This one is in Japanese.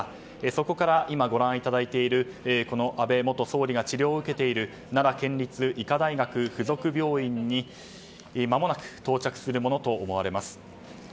そこから今、ご覧いただいている安倍元総理が治療を受けている奈良県立医科大学附属病院にまもなく到着するものとみられます。